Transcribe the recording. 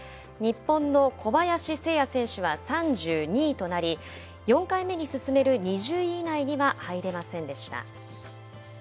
日本の小林誠也選手は３２位となり４回目に進める２０位以内には入れませんでした。